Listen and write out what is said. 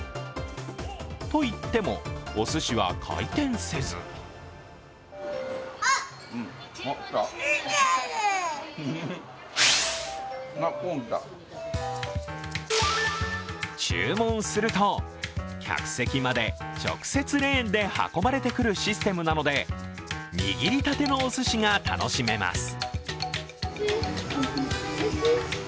といっても、おすしは回転せず注文すると、客席まで直接レーンで運ばれてくるシステムなので握りたてのおすしが楽しめます。